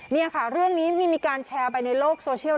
นี่ค่ะเรื่องนี้มีการแชร์ไปในโลกโซเชียล